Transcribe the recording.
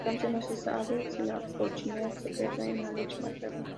Lactancia: no se sabe si la colchicina se secreta en la leche materna.